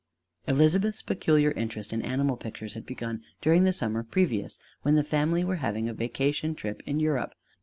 Elizabeth's peculiar interest in animal pictures had begun during the summer previous, when the family were having a vacation trip in Europe.